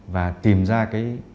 và tìm ra cái